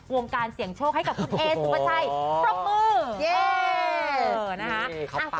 วงการเสี่ยงโชคให้กับคุณเอสสุปราชัยพร้อมมือ